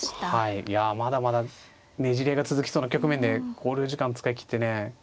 いやまだまだねじれが続きそうな局面で考慮時間使いきってね